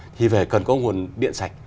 thì phải cần có nguồn điện sạch